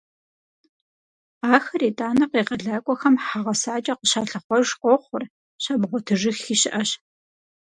Ахэр итӏанэ къегъэлакӏуэхэм хьэ гъэсакӏэ къыщалъыхъуэж къохъур, щамыгъуэтыжыххи щыӏэщ.